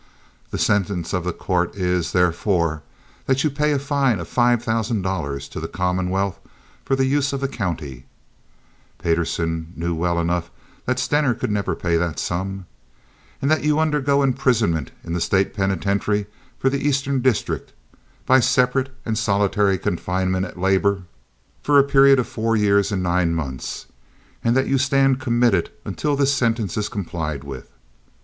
The sentence of the court is, therefore, that you pay a fine of five thousand dollars to the commonwealth for the use of the county"—Payderson knew well enough that Stener could never pay that sum—"and that you undergo imprisonment in the State Penitentiary for the Eastern District, by separate and solitary confinement at labor, for the period of four years and nine months, and that you stand committed until this sentence is complied with."